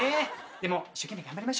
でも一生懸命頑張りましょ。